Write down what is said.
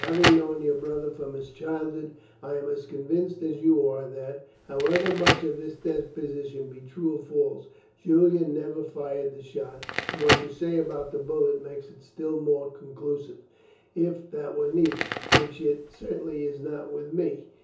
"Having known your brother from his childhood, I am as convinced as you are that, however much of this deposition be true or false, Julian never fired the shot; and what you say about the bullet makes it still more conclusive, if that were needed which it certainly is not with me.